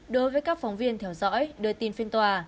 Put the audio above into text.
đối với các phóng viên theo dõi đưa tin phiên tòa